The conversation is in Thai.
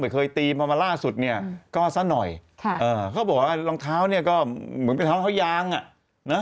กลุ่มเย็นมันเป็นหมาเด็กมันแปดเดือน